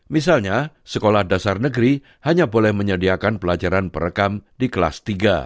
misalnya sekolah dasar negeri hanya boleh menyediakan pelajaran perekam di kelas tiga